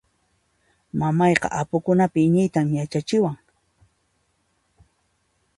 Mamayqa apukunapin iñiyta yachachiwan.